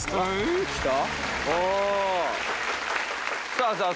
さあさあ